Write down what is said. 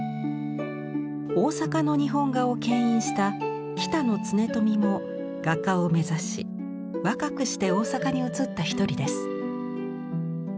大阪の日本画をけん引した北野恒富も画家を目指し若くして大阪に移った一人です。